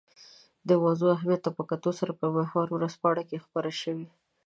د موضوع اهمیت ته په کتو په محور ورځپاڼه کې خپره شوې.